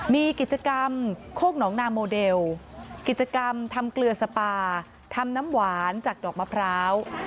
มีกิจกรรมโคกหนองนาโมเดลกิจกรรมทำเกลือสปาทำน้ำหวานจากดอกมะพร้าว